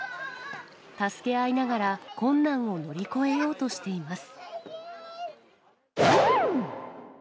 助け合いながら、困難を乗り越えようとしています。